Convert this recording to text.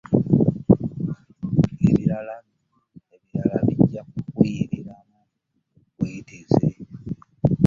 Ebirala bajja kukuyiriramu buyitizi.